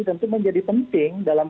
tentu menjadi penting dalam